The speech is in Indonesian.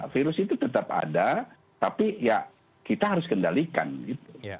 virus itu tetap ada tapi ya kita harus kendalikan gitu